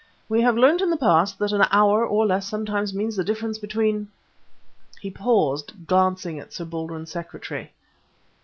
We have learnt in the past that an hour or less sometimes means the difference between " He paused, glancing at Sir Baldwin's secretary.